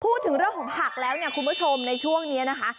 พูดถึงเรื่องของผักแล้วเนี่ยคุณผู้ชมในช่วงนี้นะคะ